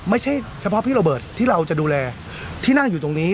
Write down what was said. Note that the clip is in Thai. ไม่ใช่เฉพาะพี่โรเบิร์ตที่เราจะดูแลที่นั่งอยู่ตรงนี้